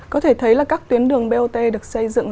có thể thấy là các tuyến đường bot được xây dựng